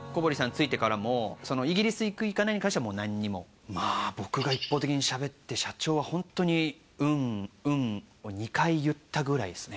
着いてからもイギリス行く行かないに関してはもう何もまあ僕が一方的にしゃべって社長はホントに「うんうん」を２回言ったぐらいですね